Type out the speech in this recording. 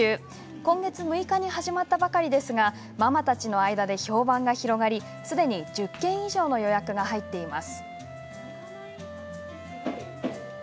今月６日に始まったばかりですがママたちの間で評判が広がりすでに１０件以上の予約が入っています。